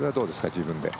自分で。